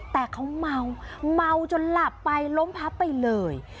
แต่เขาเมาเมาจนหลับไปล้มพับไปเลย